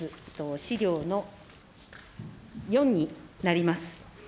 資料の４になります。